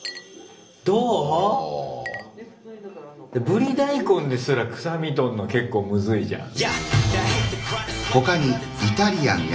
ブリ大根ですら臭み取るの結構むずいじゃん。